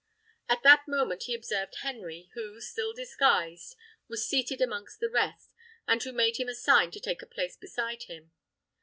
At that moment he observed Henry, who, still disguised, was seated amongst the rest, and who made him a sign to take a place beside him.